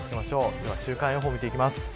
では、週間予報を見ていきます。